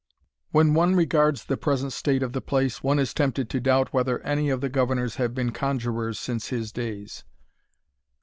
When one regards the present state of the place, one is tempted to doubt whether any of the governors have been conjurors since his days.